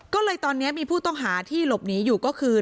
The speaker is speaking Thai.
ก็เลยตอนนี้มีผู้ต้องหาที่หลบหนีอยู่ก็คือ